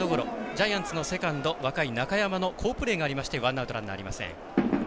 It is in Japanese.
ジャイアンツのセカンド若い中山の好プレーがありましてワンアウト、ランナーありません。